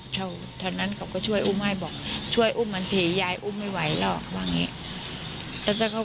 เพราะฉะนั้นเขาก็ช่วยอุ้มให้บอกช่วยอุ้มหน่อถี่ยายอุ้มไม่ไหวหรอกว่าไง